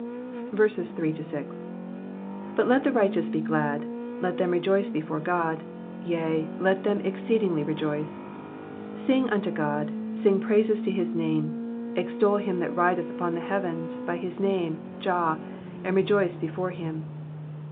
3 But let the righteous be glad ; let them rejoice before God : yea. let them exceedingly rejoice. 4 Sing unto God, sing praises to his name : extol him that rideth upon the heavens by his name J AH, and rejoice before him.